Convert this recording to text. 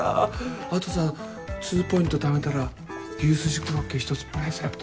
あとさ２ポイント貯めたら牛すじコロッケ１つプレゼント。